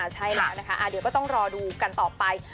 ใช่แล้วนะคะเดี๋ยวก็ต้องรอดูกันต่อไป